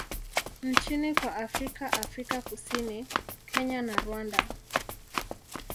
nchini kwa Afrika Afrika Kusini, Kenya na Rwanda.